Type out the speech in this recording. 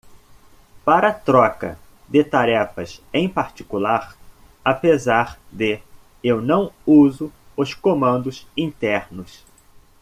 Para troca de tarefas em particular? apesar de? eu não uso os comandos internos.